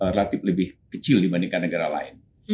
relatif lebih kecil dibandingkan negara lain